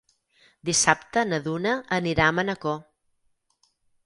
Dissabte na Duna anirà a Manacor.